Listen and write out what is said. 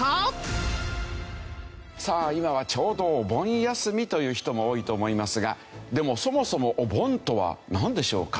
今はちょうどお盆休みという人も多いと思いますがでもそもそもお盆とはなんでしょうか？